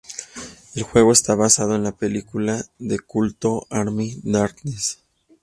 El juego está basado en la película de culto "Army of Darkness".